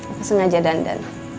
aku sengaja dandan